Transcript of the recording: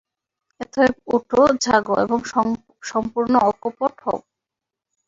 অতএব ওঠ, জাগো এবং সম্পূর্ণ অকপট হও।